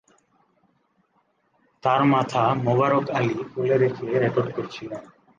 তার মাথা মোবারক আলী কোলে রেখে বিশ্রাম করছিলেন।